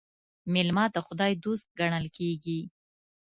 مېلمه د خداى دوست ګڼل کېږي.